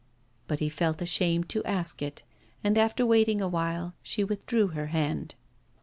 But he felt ashamed to ask it, and after waiting a while she withdrew her hand.